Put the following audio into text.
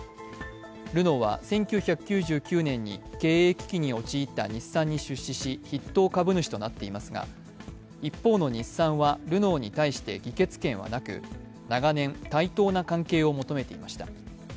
ルノーは１９９９年に経営危機に陥った日産に出資し筆頭株主となっていますが、一方の日産はルノーに対して議決権はなく、長年、対等な関係を求めていました